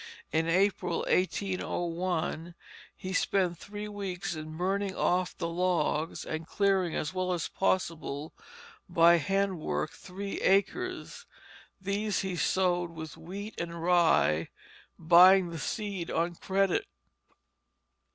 In April, 1801, he spent three weeks in burning off the logs and clearing as well as possible by handwork three acres. These he sowed with wheat and rye, buying the seed on credit.